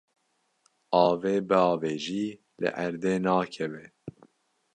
Avê biavêjî li erdê nakeve.